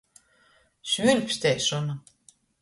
Švuļpsteišona.